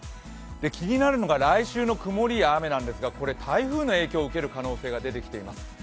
気になるのが来週の曇りや雨なんですがこれ、台風の影響を受ける可能性が出てきています。